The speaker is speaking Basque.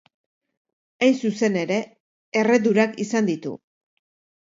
Hain zuzen ere, erredurak izan ditu.